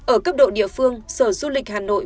ở cấp độ địa phương sở du lịch hà nội